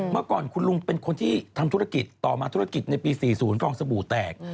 เมื่อก่อนคุณลุงเป็นคนที่ทำธุรกิจต่อมาธุรกิจในปี๔๐ฟองสบู่แตก